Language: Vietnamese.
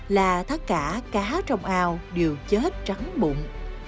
là tất cả cá trong ao đều chết trắng bụng